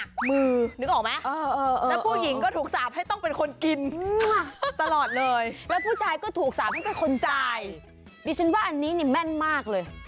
เขาบอกว่ากะเทยถูกสาปให้ขายยำ